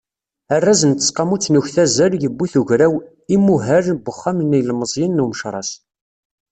Arraz n tseqqamut n uktazal, yewwi-t ugraw Imuhal n uxxam n yilemẓiyen n Umecras.